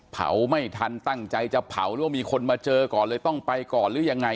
ไม่ทันตั้งใจจะเผาหรือว่ามีคนมาเจอก่อนเลยต้องไปก่อนหรือยังไง